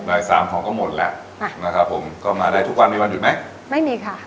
บ่ายสามของก็หมดแหละนะครับผมก็มาได้ทุกวันมีวันหยุดไหมไม่มีค่ะ